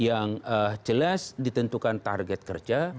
yang jelas ditentukan target kerja